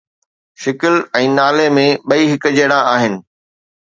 شڪل ۽ نالي ۾ ٻئي هڪجهڙا آهن